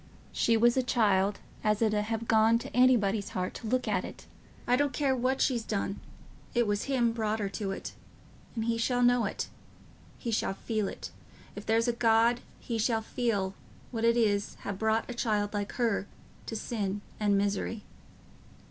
she was a child as it 'ud ha' gone t' anybody's heart to look at... I don't care what she's done... it was him brought her to it. And he shall know it... he shall feel it... if there's a just God, he shall feel what it is t' ha' brought a child like her to sin and misery."